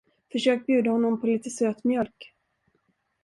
Försök bjuda honom på lite söt mjölk.